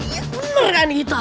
iya bener kan kita